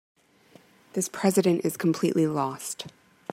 This president is completely lost.